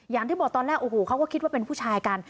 อย่างที่บอกตอนแรกโอ้โหเขาก็คิดว่าเป็นผู้ชายกัน